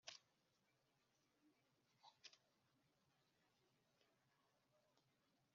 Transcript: Ni cyo gituma umutima wacu urabirana,